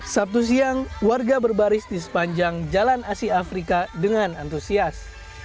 sabtu siang warga berbaris di sepanjang jalan asia afrika dengan antusias